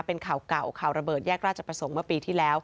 เป็นข่าวเก่าข่าวระเบิดแยกราชประสงค์เมื่อปีที่แล้ว